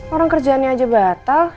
orang kerjaannya aja batal